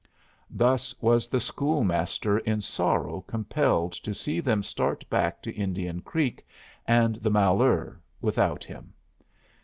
Thus was the school master in sorrow compelled to see them start back to Indian Creek and the Malheur without him.